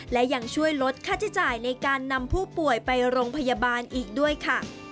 และยังช่วยลดค่าใช้จ่ายในการนำผู้ป่วยไปโรงพยาบาลอีกด้วยค่ะ